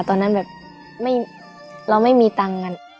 ตอนนั้นแบบเราไม่มีตังค์กัน